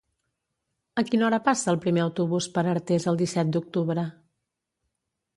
A quina hora passa el primer autobús per Artés el disset d'octubre?